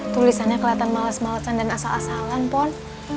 tulisannya kelihatan males malesan dan asal asalan pon